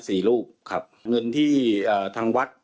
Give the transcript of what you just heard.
มีพฤติกรรมเสพเมถุนกัน